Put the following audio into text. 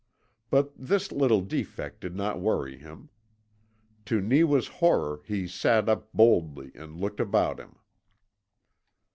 But this little defect did not worry him. To Neewa's horror he sat up boldly, and looked about him.